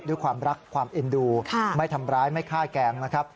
ด้วยความรักความเอ็นดูไม่ทำร้ายไม่ฆ่าแกล้งนะครับ